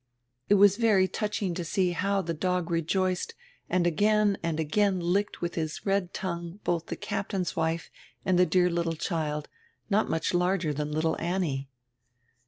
"It was very touching to see how die dog rejoiced and again and again licked with his red tongue both die Captain's wife and die dear little child, not much larger dian little Annie."